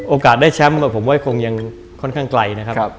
โอกาสได้แชมป์ว่าผมไว้คงยังค่อนข้างไกลนะครับ